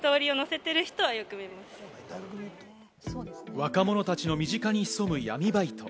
若者たちの身近に潜む闇バイト。